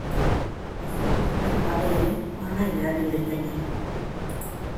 Ezer instalatu gabe ere, online erabil daiteke.